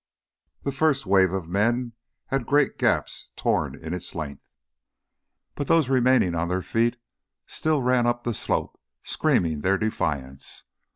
The first wave of men had great gaps torn in its length. But those remaining on their feet still ran up the slope, screaming their defiance.